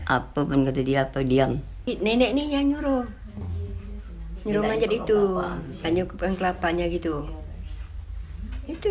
apa pun ketidakpastian neneknya nyuruh nyuruh aja gitu hanya ke pengkelapanya gitu itu